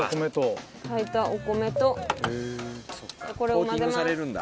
仲：炊いたお米とこれを混ぜます。